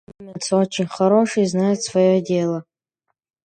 Немец, очень хороший и знает свое дело.